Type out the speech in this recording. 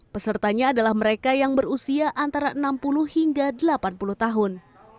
pesertanya adalah mereka yang berusia antara enam puluh hingga delapan puluh tahun